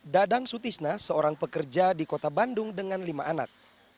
dadang sutisna seorang pekerja di kota bandung dengan lima anak